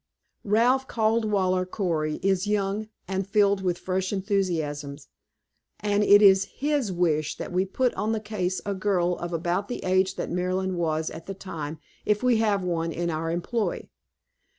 Ralph Caldwaller Cory is young and filled with fresh enthusiasms, and it is his wish that we put on the case a girl of about the age that Marilyn was at the time, if we have one in our employ.